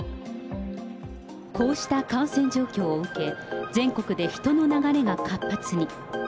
こうした感染状況を受け、全国で人の流れが活発に。